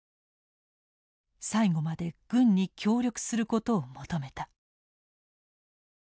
最後まで軍に協力することを求めた。